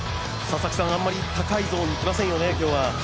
あんまり高いゾーンにきませんよね、今日は。